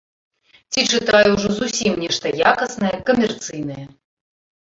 Ці чытаю ўжо зусім нешта якаснае камерцыйнае.